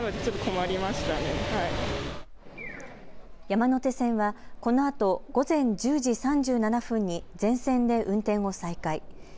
山手線はこのあと午前１０時３７分に全線で運転を再開。